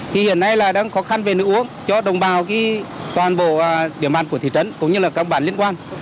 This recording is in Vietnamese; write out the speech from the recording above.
hiện nay đang khó khăn về nước uống cho đồng bào toàn bộ địa bàn của thị trấn cũng như các bản liên quan